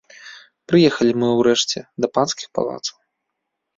Прыехалі мы ўрэшце да панскіх палацаў.